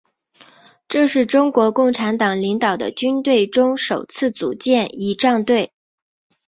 这是中国共产党领导的军队中首次组建仪仗队。